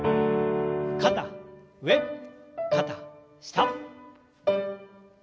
肩上肩下。